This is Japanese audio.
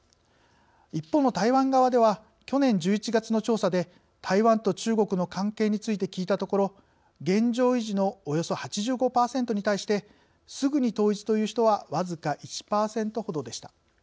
一方の台湾側では去年１１月の調査で台湾と中国の関係について聞いたところ「現状維持」のおよそ８５％に対して「すぐに統一」という人は僅か１％ほどでした。